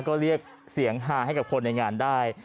ก็เรียกเสียงฮาให้กับคนในงานได้